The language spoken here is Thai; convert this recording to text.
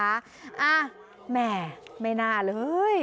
แหมไม่น่าเลย